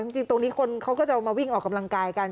จริงตรงนี้คนเขาก็จะมาวิ่งออกกำลังกายกัน